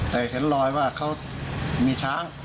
แต่เห็นรอยว่าเขามีช้าง